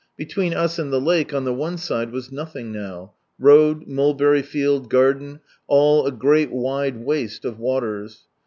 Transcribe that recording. Between us and the lake, on the one side, was nothing now : road, mulberry field, garden, all a great wide waste of waters.